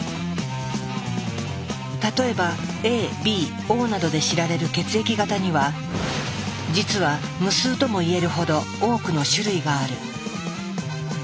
例えばＡＢＯなどで知られる血液型には実は無数ともいえるほど多くの種類がある。